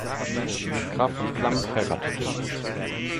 Graf von Clam heiratete.